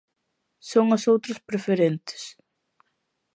Son as outras preferentes.